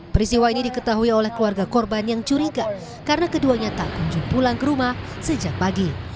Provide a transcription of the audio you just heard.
peristiwa ini diketahui oleh keluarga korban yang curiga karena keduanya tak kunjung pulang ke rumah sejak pagi